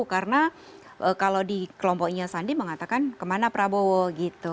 karena kalau di kelompoknya sandi mengatakan kemana prabowo gitu